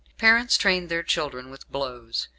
Parents trained their children with blows.